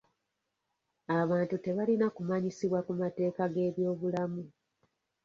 Abantu tebalina kumanyisibwa ku mateeka g'ebyobulamu.